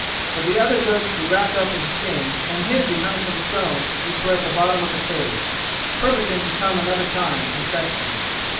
But the other goods he wrapped up in skins and hid behind some stones which were at the bottom of the cave—purposing to come another time and fetch them.